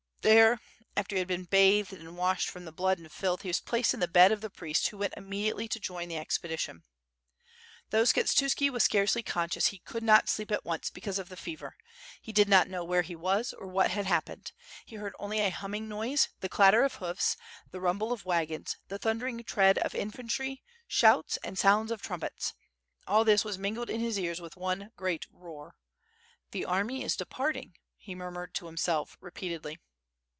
There, after he had been bathed and washed from the blood and filth, he was placed in the bed of the priest, who went immediately to join the expedition. Though Skshetuski was scarcely conscious he could not sleep at once because of the fever; he did not know where he was or what had haj)pened. He heard only a humming noise, the clatter of hoofs, the rumble of wagons, the thundering tread of infantry, shouts, and sounds of trumpets; all this was mingled in his ears with one great roar. "The army is de parting," he murmured to himself repeatedly.